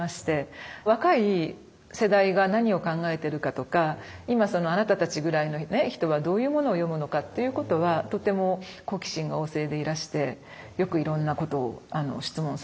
若い世代が何を考えてるかとか今そのあなたたちぐらいの人はどういうものを読むのかっていうことはとても好奇心が旺盛でいらしてよくいろんなことを質問されましたね。